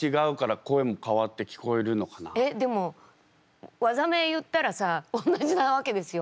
えっでも技名言ったらさ同じなわけですよ。